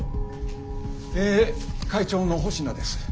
え会長の保科です。